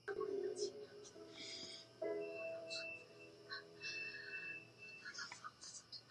没有发不动的问题